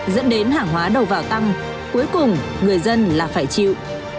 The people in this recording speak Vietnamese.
dẫn đến hàng hóa đầu vào tăng cuối cùng người dân là phải chịu